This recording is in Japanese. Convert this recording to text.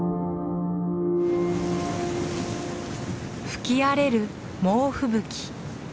吹き荒れる猛吹雪。